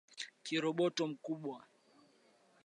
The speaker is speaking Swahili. kiroboto mkubwa